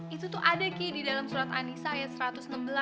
itu tuh ada ki di dalam surat anissa ayat satu ratus enam belas